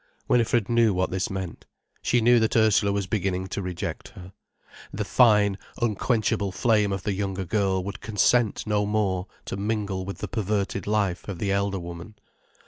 Winifred knew what this meant. She knew that Ursula was beginning to reject her. The fine, unquenchable flame of the younger girl would consent no more to mingle with the perverted life of the elder woman.